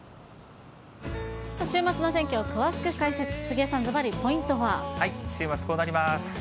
週末の天気を詳しく解説、週末、こうなります。